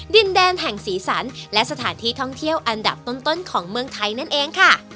ดินแดนแห่งสีสันและสถานที่ท่องเที่ยวอันดับต้นของเมืองไทยนั่นเองค่ะ